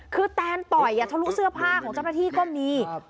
คือแตนต่อยทะลุเสื้อผ้าของเจ้าหน้าที่ก็มี